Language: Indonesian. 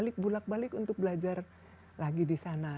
jadi saya bulak balik untuk belajar lagi di sana